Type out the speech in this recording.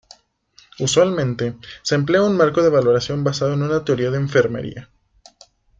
Usualmente, se emplea un marco de valoración basado en una teoría de enfermería.